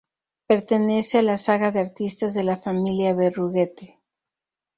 Pertenece a la saga de artistas de la familia Berruguete.